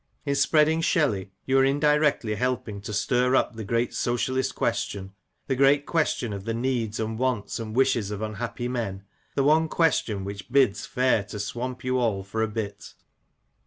In spreading Shelley you are indirectly helping to stir up the great Socialist question — the great question of the needs, and wants, and wishes of unhappy men ; the one question which bids fair to swamp you all for a bit."